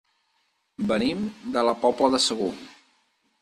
Venim de la Pobla de Segur.